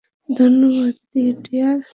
ধন্যবাদ, ডিয়ার।